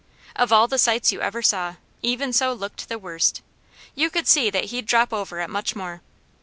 Of all the sights you ever saw, Even So looked the worst. You could see that he'd drop over at much more.